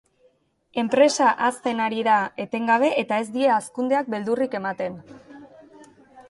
Enpresa hazten ari da etengabe eta ez die hazkundeak beldurrik ematen.